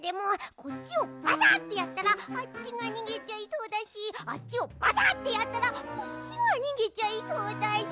こっちをバサッてやったらあっちがにげちゃいそうだしあっちをバサッてやったらこっちがにげちゃいそうだし。